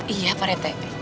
iya pak rete